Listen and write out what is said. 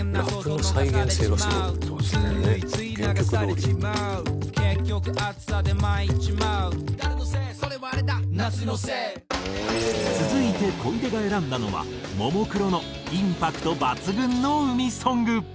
「ねっ！原曲どおり」続いて小出が選んだのはももクロのインパクト抜群の海ソング。